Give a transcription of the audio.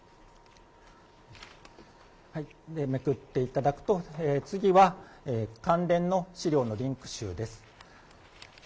めくっていただくと、次は、関連の資料のリンク集です。